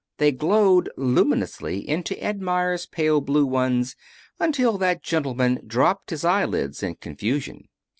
They glowed luminously into Ed Meyers' pale blue ones until that gentleman dropped his eyelids in confusion.